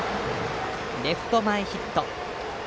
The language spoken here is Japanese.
レフト前ヒット。